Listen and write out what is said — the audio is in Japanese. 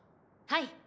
はい。